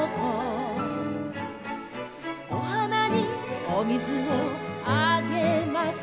「お花にお水をあげます」